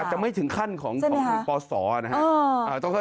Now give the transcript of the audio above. อาจจะไม่ถึงขั้นของปศนะฮะ